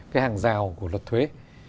cái hàng rào của luật thuế